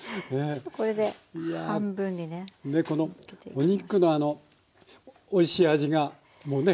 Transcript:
お肉のあのおいしい味がもうね